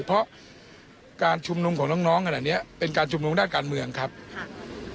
เพราะการชุมนุมของน้องน้องขนาดเนี้ยเป็นการชุมนุมด้านการเมืองครับค่ะ